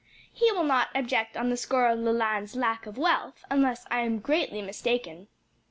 "He will not object on the score of Leland's lack of wealth, unless I am greatly mistaken.